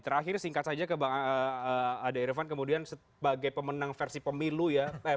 terakhir singkat saja ke mbak andre irvan kemudian sebagai pemenang versi pemilu ya versi pemilu ya